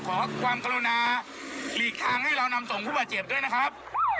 ขอความกรุณาหลีกทางให้เรานำส่งผู้บาดเจ็บด้วยนะครับ